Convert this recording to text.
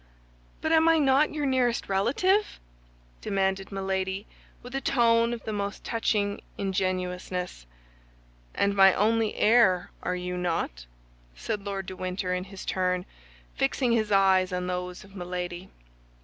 "But am I not your nearest relative?" demanded Milady, with a tone of the most touching ingenuousness. "And my only heir, are you not?" said Lord de Winter in his turn, fixing his eyes on those of Milady.